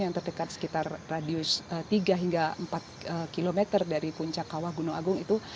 yang terdekat sekitar radius tiga hingga empat km dari puncak kawah gunung agung itu